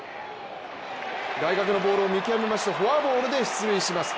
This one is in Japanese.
外角のボールを見極めましてフォアボールで出塁します。